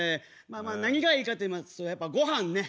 まあまあ何がいいかって言いますとやっぱごはんね。